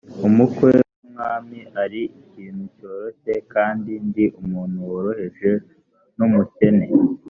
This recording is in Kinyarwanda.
umukwe w umwami ari ikintu cyoroshye kandi ndi umuntu woroheje n umukene